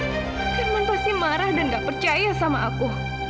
mungkin pasti marah dan gak percaya sama aku